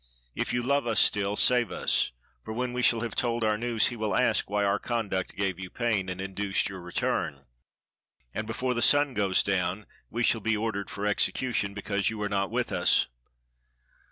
If you love us still, save us: for when we shall have told our news, he will ask why our conduct gave you pain and induced your return; and before the sun goes down, we 380 A VISIT TO KING MOSELEKATSE shall be ordered for execution, because you arc not with us.